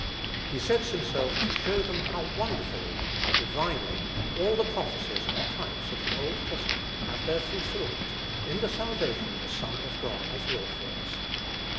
He sets himself to show them how wonderfully, how divinely, all the prophecies and types of the Old Testament have their fulfilment in the salvation the Son of God has wrought for us.